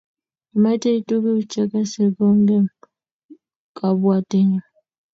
Ametei tuguk chagase kongem kabwatenyu